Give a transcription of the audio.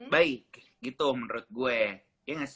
baik gitu menurut gue gak sih